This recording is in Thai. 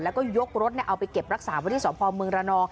แล้วก็ยกรถเอาไปเก็บรักษาวันที่สวมพลมรณอ